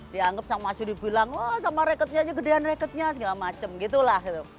dianggap sama asyik dibilang wah sama reketnya aja gedean reketnya segala macem gitu lah